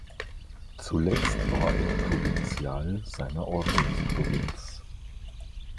Zuletzt war er Provinzial seiner Ordensprovinz.